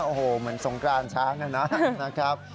โอ้โฮเหมือนทรงกลานช้างน่ะนะครับ